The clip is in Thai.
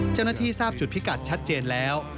เจ้าหน้าที่ทราบจุดพิกัดชัดเจนแล้ว